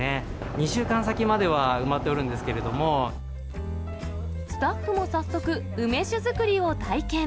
２週間先までは埋まっておるんでスタッフも早速、梅酒造りを体験。